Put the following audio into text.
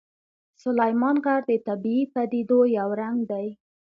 سلیمان غر د طبیعي پدیدو یو رنګ دی.